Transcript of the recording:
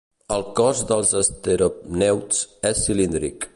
El cos dels enteropneusts és cilíndric.